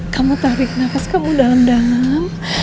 kamu tarik nafas kamu dalam dalam